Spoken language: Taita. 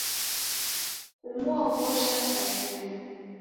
Kumuoghosha sa chuma.